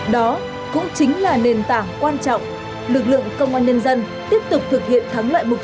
đó cũng chính là nền tảng quan trọng lực lượng công an nhân dân tiếp tục thực hiện thắng lợi mục tiêu